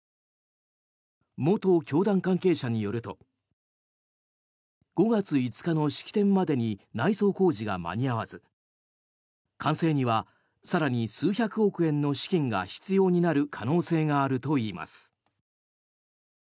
元教団関係者によると５月５日の式典までに内装工事が間に合わず完成には更に数百億円の資金が必要になる可能性があるといいます。